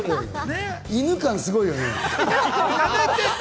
犬感すごいよねえ。